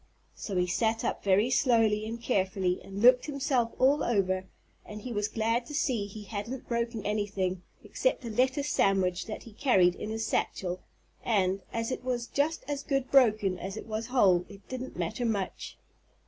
So he sat up very slowly and carefully and looked himself all over and he was glad to see that he hadn't broken anything except a lettuce sandwich that he carried in his satchel and, as it was just as good broken as it was whole, it didn't matter much.